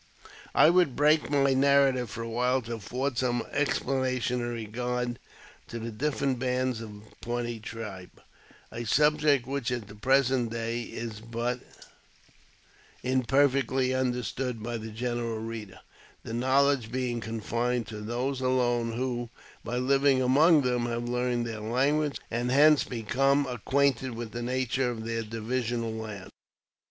I would break my narrative for a while to afford some explanation in regard to the different bands of the Pawnee tribe ; a subject which at the present day is^but imperfectly understood by the general reader — the knowledge being con fined to those alone, who, by living among them, have learned their language, and hence become acquainted with the nature of their divisional lands.